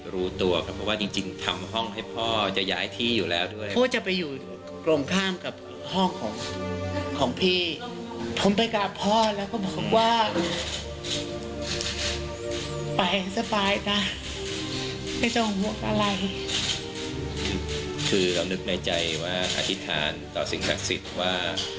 คือเรานึกในใจว่าอธิษฐานต่อสิ่งศักดิ์สิทธิ์ว่า